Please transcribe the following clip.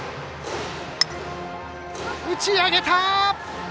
打ち上げた！